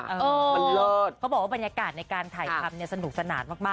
มันเลิศเขาบอกว่าบรรยากาศในการถ่ายทำเนี่ยสนุกสนานมาก